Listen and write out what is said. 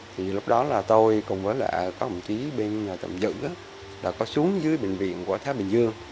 thì lúc đó là tôi cùng với lại có một chí bên nhà tầm giữ là có xuống dưới bệnh viện của thái bình dương